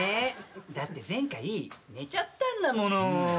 だって前回寝ちゃったんだもの。